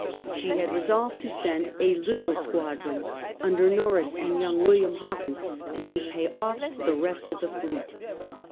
She resolved to send a little squadron under Norreys and young William Hawkins, and to pay off the rest of the fleet.